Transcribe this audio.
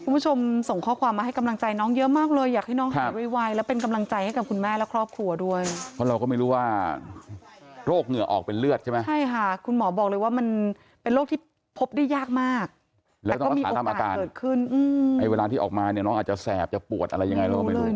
คุณผู้ชมส่งข้อความมาให้กำลังใจน้องเยอะมากเลยอยากให้น้องหายไวแล้วเป็นกำลังใจให้กับคุณแม่และครอบครัวด้วย